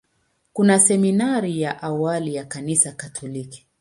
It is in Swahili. Kuna seminari ya awali ya Kanisa Katoliki.